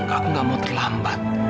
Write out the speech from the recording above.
aku gak mau terlambat